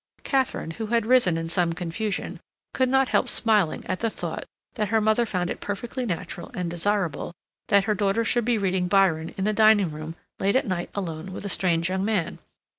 Katharine, who had risen in some confusion, could not help smiling at the thought that her mother found it perfectly natural and desirable that her daughter should be reading Byron in the dining room late at night alone with a strange young man.